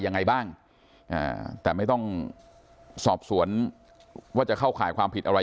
ยังไงบ้างแต่ไม่ต้องสอบสวนว่าจะเข้าข่ายความผิดอะไร